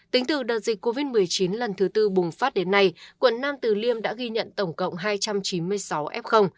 tính từ đợt dịch covid một mươi chín lần thứ tư bùng phát đến nay quận nam từ liêm đã ghi nhận tổng cộng hai trăm chín mươi sáu f